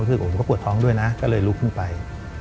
คือผมก็ปวดท้องด้วยนะก็เลยลุกขึ้นไป